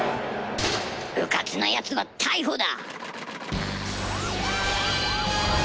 うかつなヤツは逮捕だ！